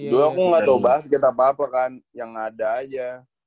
dulu aku gak tau basket apa apa kan yang ada aja